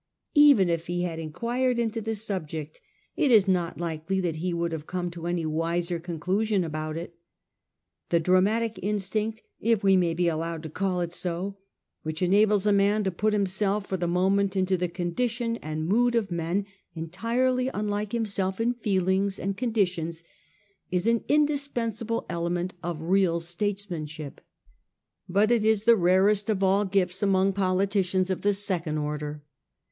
Even if he had inquired into the subject, it is not likely that he would have come to any wiser conclusion about it. The dramatic instinct, if we may be allowed to call it so, which enables a man to put himself for the moment into the condition and mood of men entirely unlike himself in feelings and conditions, is an indis pensable element of real statesmanship ; but it is the rarest of all gifts among politicians of the second order.